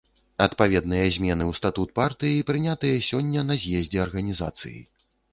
Адпаведныя змены ў статут партыі прынятыя сёння на з'ездзе арганізацыі.